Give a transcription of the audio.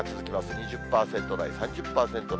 ２０％台、３０％台。